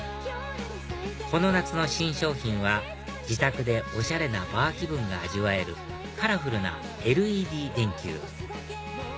この夏の新商品は自宅でおしゃれなバー気分が味わえるカラフルなＬＥＤ電球